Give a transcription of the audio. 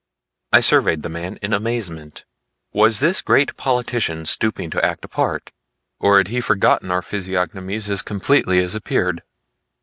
I surveyed the man in amazement. Was this great politician stooping to act a part, or had he forgotten our physiognomies as completely as appeared?